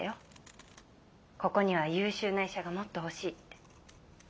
ここには優秀な医者がもっと欲しいって。